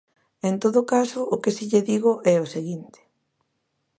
En todo caso, o que si lle digo é o seguinte.